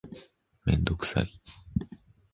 めんどくさい